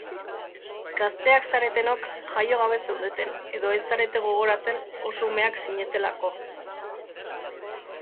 Gazteak zaretenok jaio gabe zeundeten edo ez zarete gogoratzen oso umeak zinetelako.